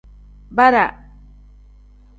Bara.